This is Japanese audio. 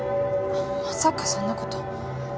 まさかそんなこと。